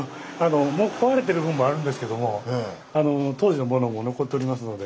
もう壊れてる部分もあるんですけども当時のものも残っておりますので。